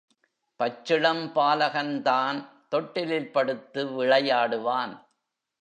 பச்சிளம் பாலகன்தான் தொட்டிலில் படுத்து விளையாடுவான்.